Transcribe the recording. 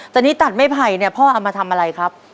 ตอนนี้ตัดไม่ไผ่เนี่ยพ่อเอามาทำอะไรครับ